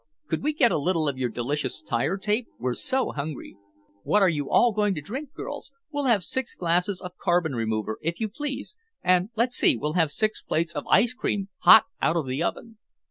"Could we get a little of your delicious tire tape, we're so hungry? What are you all going to drink, girls? We'll have six glasses of carbon remover, if you please, and, let's see, we'll have six plates of ice cream hot out of the oven."